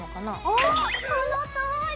おそのとおり！